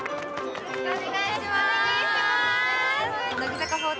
よろしくお願いします